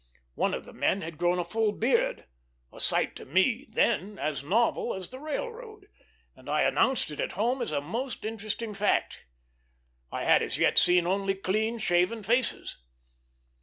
One of the men had grown a full beard, a sight to me then as novel as the railroad, and I announced it at home as a most interesting fact. I had as yet seen only clean shaven faces.